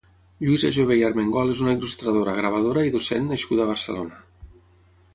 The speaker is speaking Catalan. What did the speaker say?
Lluisa Jover i Armengol és una il·lustradora, gravadora i docent nascuda a Barcelona.